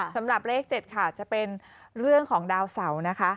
สำหรับเลข๗ค่ะจะเป็นเรื่องของดาวเสานะคะ